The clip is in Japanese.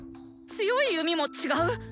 強い弓も違う？